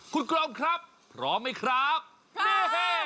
คุณกรมครับพร้อมไหมครับพร้อม